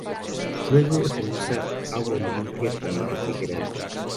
Luego se usa agua limpia como refrigerante.